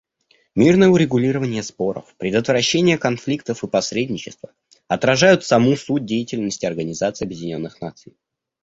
Мирное урегулирование споров, предотвращение конфликтов и посредничество отражают саму суть деятельности Организации Объединенных Наций.